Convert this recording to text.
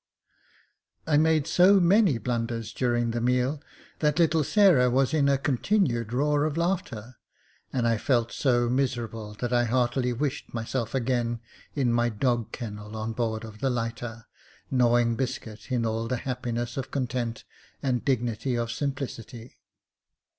I made so many blunders during the meal, that little Sarah was in a continued roar of laughter j and I felt so 20 Jacob Faithful miserable, that I heartily wished myself again in my dog kennel on board of the lighter, gnawing biscuit in all the happiness of content, and dignity of simplicity.